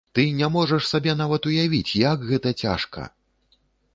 Ты не можаш сабе нават уявіць, як гэта цяжка!